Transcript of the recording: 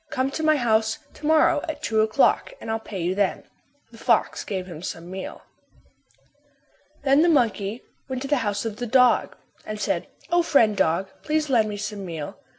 Come to my house to morrow at two o'clock and I'll pay you then." The fox gave him some meal. Then the monkey went to the house of the dog and said, "O, friend dog, please lend me some meal.